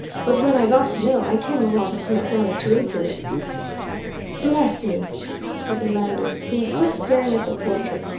But when I got to know, I came along to make one or two inquiries." "Bless me!" said the landlord, who was still staring at the portrait.